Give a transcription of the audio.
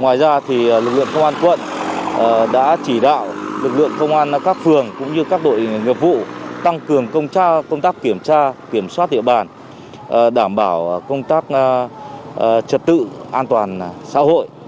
ngoài ra lực lượng công an quận đã chỉ đạo lực lượng công an các phường cũng như các đội nghiệp vụ tăng cường công tác kiểm tra kiểm soát địa bàn đảm bảo công tác trật tự an toàn xã hội